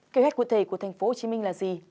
kế hoạch cụ thể của tp hcm là gì